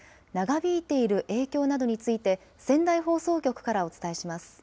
長引いている影響などについて、仙台放送局からお伝えします。